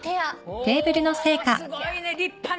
おすごいね立派ね。